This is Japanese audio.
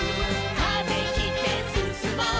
「風切ってすすもう」